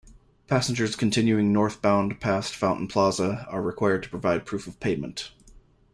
Passengers continuing northbound past Fountain Plaza are required to provide proof-of-payment.